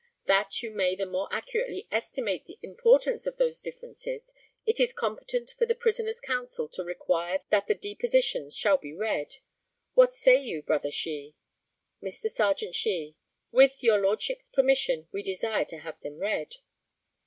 That you may the more accurately estimate the importance of those differences it is competent for the prisoner's counsel to require that the depositions shall be read. What say you, brother Shee? Mr. Serjeant SHEE: With, your Lordship's permission, we desire to have them read.